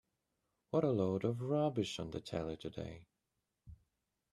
What a load of rubbish on the telly today.